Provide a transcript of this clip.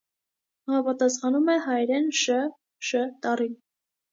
Համապատասխանում է հայերեն «Շ, շ» տառին։